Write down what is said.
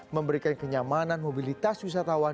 memberikan kenyamanan mobilitas wisatawan